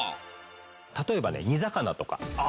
例えばね煮魚とか。